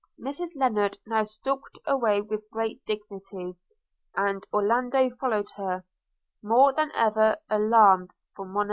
Mrs Lennard now stalked away with great dignity, and Orlando followed her, more than ever alarmed for Monimia.